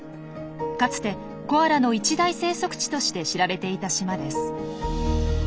かつてコアラの一大生息地として知られていた島です。